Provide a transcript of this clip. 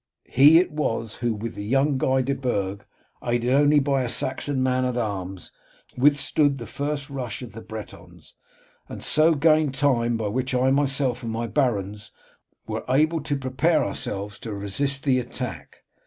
He it was who, with the young Guy de Burg, and aided only by a Saxon man at arms, withstood the first rush of the Bretons, and so gained time by which I myself and my barons were able to prepare ourselves to resist the attack.